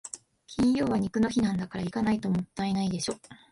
金曜は肉の日なんだから、行かないともったいないでしょ。